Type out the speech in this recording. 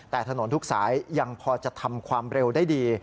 แต่ถนนทุกสายยังพอจะทำความเร็วได้ดี